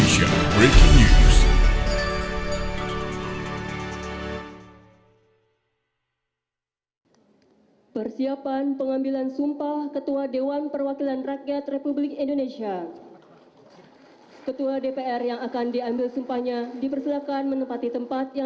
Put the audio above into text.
sampai jumpa di video selanjutnya